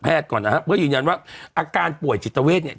ก่อนนะฮะเพื่อยืนยันว่าอาการป่วยจิตเวทเนี่ย